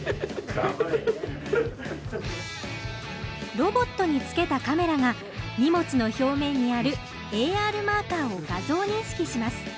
ロボットに付けたカメラが荷物の表面にあるＡＲマーカーを画像認識します。